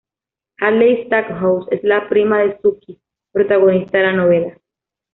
Hadley Stackhouse es la prima de Sookie, protagonista de la novela.